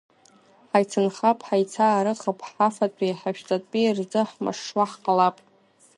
Ҳаицынхап, ҳаицаарыхып, ҳафатәи ҳашәҵатәи рзы ҳмашшуа ҳҟалап…